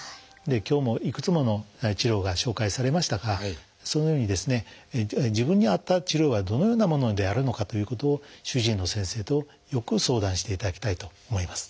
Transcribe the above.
今日もいくつもの治療が紹介されましたがそのようにですね自分に合った治療はどのようなものであるのかということを主治医の先生とよく相談していただきたいと思います。